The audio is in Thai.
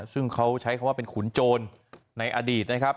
ซึ่งเขาใช้คำว่าเป็นขุนโจรในอดีตนะครับ